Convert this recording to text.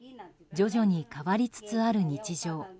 徐々に変わりつつある日常。